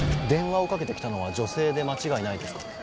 電話をかけて来たのは女性で間違いないですか？